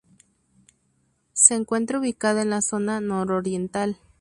Se encuentra ubicada en la zona nororiental.